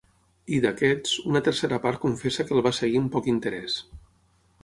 I, d’aquests, una tercera part confessa que el va seguir amb poc interès.